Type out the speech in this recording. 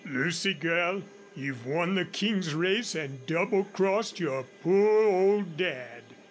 "Lucy, girl, you've won the King's race an' double crossed your poor old dad!"